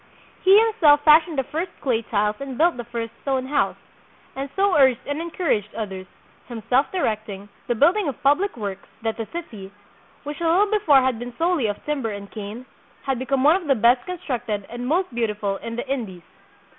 He him self fashioned the first clay tiles and built the first stone house, and so urged and encouraged others, himself direct ing, the building of public works, that the city, which a little before had been solely of timber and cane, had be come gne of the best constructed and most beautiful in the Indies.